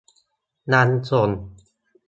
นำส่ง